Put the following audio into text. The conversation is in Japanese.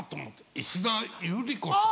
石田ゆり子さん。